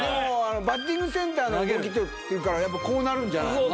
バッティングセンターの動きとっていうからこうなるんじゃないの？